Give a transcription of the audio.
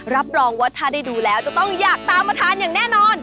รับรองว่าถ้าได้ดูแล้วจะต้องอยากตามมาทานอย่างแน่นอน